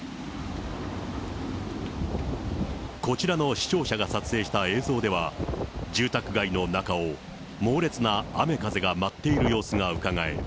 こちらの視聴者が撮影した映像では、住宅街の中を猛烈な雨風が舞っている様子がうかがえる。